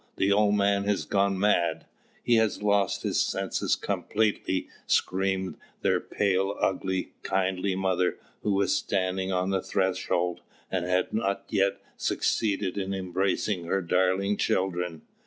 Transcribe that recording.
the old man has gone mad! he has lost his senses completely!" screamed their pale, ugly, kindly mother, who was standing on the threshold, and had not yet succeeded in embracing her darling children.